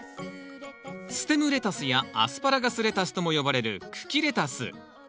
ステムレタスやアスパラガスレタスとも呼ばれる茎レタス。